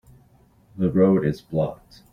The road is blocked.